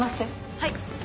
はい。